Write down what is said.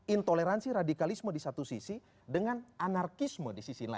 intoleransi radikalisme di satu sisi dengan anarkisme di sisi lain